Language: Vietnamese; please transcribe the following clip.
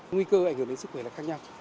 nguy cơ ảnh hưởng đến sức khỏe là khác nhau